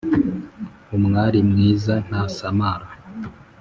umwari mwiza ntasamara